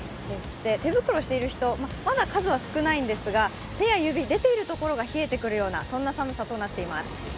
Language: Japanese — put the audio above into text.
手袋をしてる人、まだ数は少ないんですが、手や指、出ているところが冷えてくるような寒さとなっています。